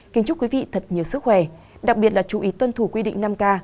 kính chúc quý vị thật nhiều sức khỏe đặc biệt là chú ý tuân thủ quy định năm k